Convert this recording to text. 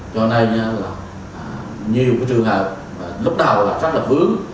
cho nên là nhiều trường hợp lúc đầu rất là phướng